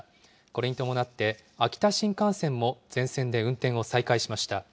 これに伴って、秋田新幹線も全線で運転を再開しました。